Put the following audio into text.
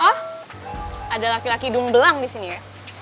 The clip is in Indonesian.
oh ada laki laki dumbelang di sini ya